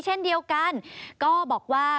เช่นเดียวกันก็บอกว่า